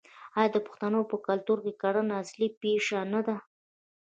آیا د پښتنو په کلتور کې کرنه اصلي پیشه نه ده؟